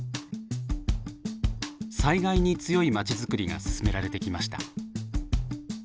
災害に強い街作りが進められてきました。